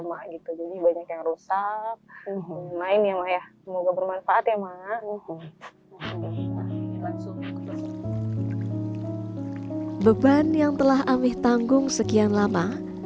mak gitu jadi banyak yang rusak semoga bermanfaat ya mak beban yang telah amih tanggung sekian lama